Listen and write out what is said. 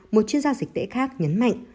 một chuyên gia dịch tễ khác nhấn mạnh